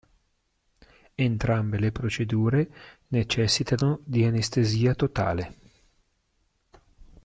Entrambe le procedure necessitano di anestesia totale.